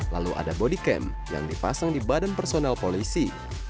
lalu ada bodycam yang dipasang di badan personel polisi